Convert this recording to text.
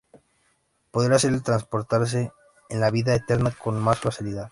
Podría ser el transportarse en la vida eterna con más facilidad.